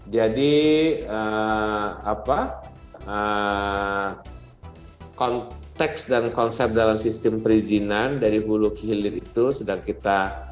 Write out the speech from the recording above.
jadi konteks dan konsep dalam sistem perizinan dari hulu kehilir itu sedang kita